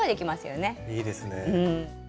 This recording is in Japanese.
いいですね。